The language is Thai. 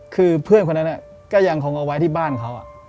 คือเพื่อนคนนั้นก็ยังคงเอาไว้ที่บ้านเขา